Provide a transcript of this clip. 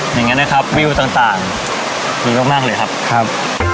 อย่างนั้นนะครับวิวต่างดีมากเลยครับครับ